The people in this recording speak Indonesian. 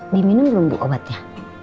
diminum belum bu obatnya